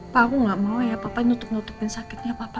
pak aku gak mau ya papa nutup nutupin sakitnya apa apa